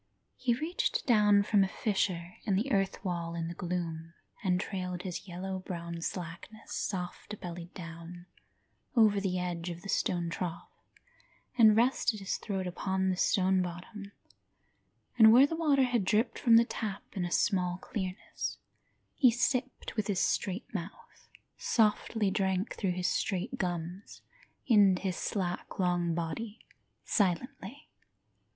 He reached down from a fissure in the earth wall in the gloom And trailed his yellow brown slackness soft bellied down, over the edge of the stone trough And rested his throat upon the stone bottom, And where the water had dripped from the tap, in a small clearness, He sipped with his straight mouth, Softly drank through his straight gums, into his slack long body, Silently.